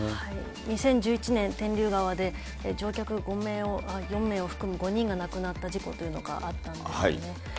２０１１年、天竜川で乗客４名を含む５人が亡くなった事故というのがあったんですね。